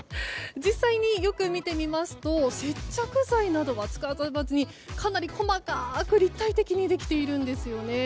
実際によく見てみますと接着剤などは使わずにかなり細かく立体的にできているんですよね。